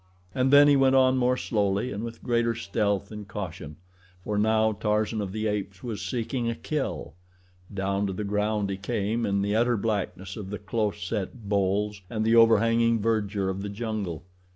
And then he went on more slowly and with greater stealth and caution, for now Tarzan of the Apes was seeking a kill. Down to the ground he came in the utter blackness of the close set boles and the overhanging verdure of the jungle.